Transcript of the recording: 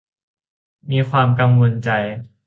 มีความกังวลใจ